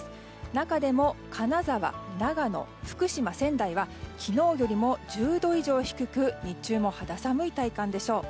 中でも金沢、長野、福島、仙台は昨日よりも１０度以上低く日中も肌寒い体感でしょう。